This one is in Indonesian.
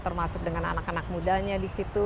termasuk dengan anak anak mudanya disitu